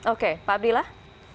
oke pak abdillah